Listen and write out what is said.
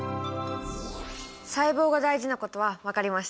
細胞が大事なことは分かりました。